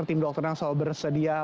tim dokter yang selalu bersedia